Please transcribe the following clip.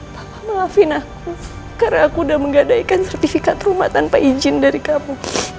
tolong maafin aku karena aku udah menggadaikan sertifikat rumah tanpa izin dari kamu